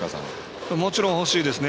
もちろんほしいですね。